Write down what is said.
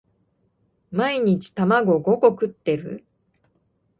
毎日卵五個食ってる？